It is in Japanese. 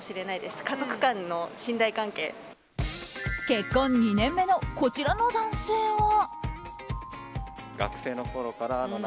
結婚２年目のこちらの男性は。